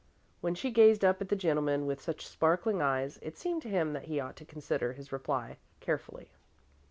When she gazed up at the gentleman with such sparkling eyes, it seemed to him that he ought to consider his reply carefully.